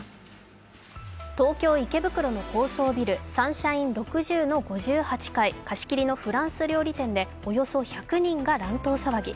東京・池袋の高層ビル、サンシャイン６０の貸し切りのフランス料理店でおよそ１００人が乱闘騒ぎ。